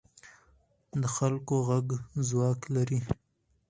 د خلکو غږ ځواک لري